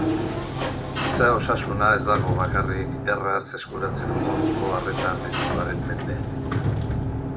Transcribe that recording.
Giza osasuna ez dago bakarrik erraz eskuratzeko moduko arreta medikoaren mende.